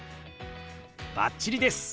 バッチリです！